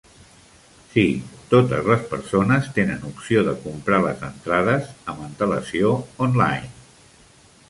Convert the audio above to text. Sí, totes les persones tenen opció de comprar les entrades amb antel·lacio online.